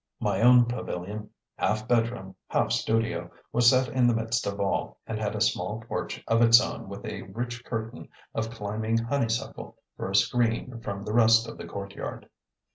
My own pavilion (half bedroom, half studio) was set in the midst of all and had a small porch of its own with a rich curtain of climbing honeysuckle for a screen from the rest of the courtyard.